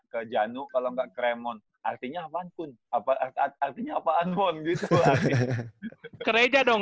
ke janu kalau enggak kremon artinya apa pun apa artinya apaan bom gitu gereja dong